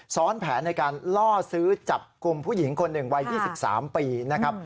ซ้อนแผนในการล่อซื้อจับกลุ่มผู้หญิงคนหนึ่งวัย๒๓ปีนะครับ